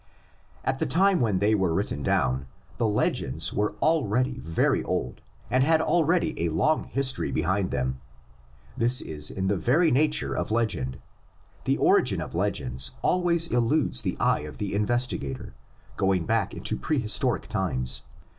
AT the time when they were written down the legends were already very old and had already a long history behind them. This is in the very nature of legend: the origin of legends always eludes the eye of the investigator, going back into prehistoric times.